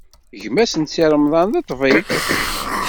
Gma-s n Si Remḍan, d ṭṭbib.